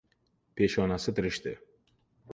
Peshonasi tirishdi.